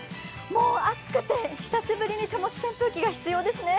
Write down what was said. もう暑くて、久しぶりに手持ち扇風機が必要ですね。